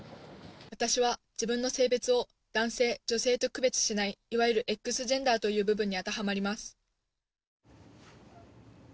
私は自分の性別を男性女性と区別しないいわゆるＸジェンダーという部分に当てはまります。